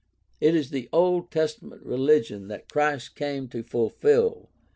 It is the Old Testa ment religion that Christ came to fulfil.